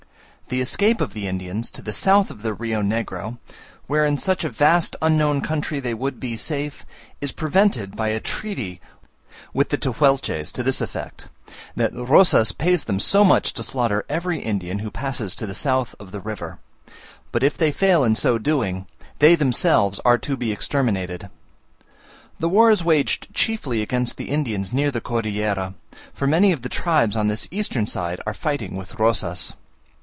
The escape of the Indians to the south of the Rio Negro, where in such a vast unknown country they would be safe, is prevented by a treaty with the Tehuelches to this effect; that Rosas pays them so much to slaughter every Indian who passes to the south of the river, but if they fail in so doing, they themselves are to be exterminated. The war is waged chiefly against the Indians near the Cordillera; for many of the tribes on this eastern side are fighting with Rosas.